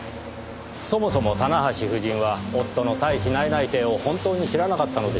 そもそも棚橋夫人は夫の大使内々定を本当に知らなかったのでしょうかねぇ？